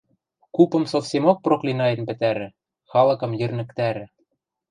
Купым совсемок проклинӓен пӹтӓрӹ, халыкым йӹрнӹктӓрӹ...